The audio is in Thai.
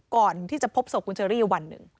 ก่อนที่จะพบศพคุณเชอรี่วันหนึ่ง